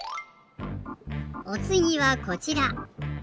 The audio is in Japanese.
おつぎはこちら。